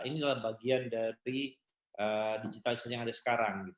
inilah bagian dari digitalisasi yang ada sekarang